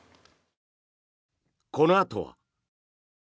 このあとは。